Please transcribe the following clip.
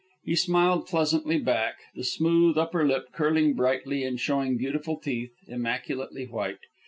He smiled pleasantly back, the smooth upper lip curling brightly and showing beautiful teeth, immaculately white.